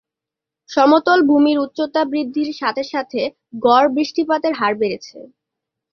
সমতল ভূমির উচ্চতা বৃদ্ধির সাথে সাথে গড় বৃষ্টিপাতের হার বেড়েছে।